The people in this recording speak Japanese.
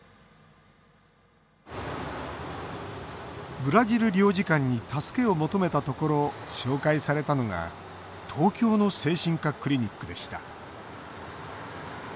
ブラジル領事館に助けを求めたところ紹介されたのが東京の精神科クリニックでした。